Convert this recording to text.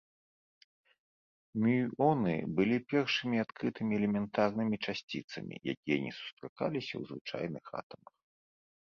Мюоны былі першымі адкрытымі элементарнымі часціцамі, якія не сустракаліся ў звычайных атамах.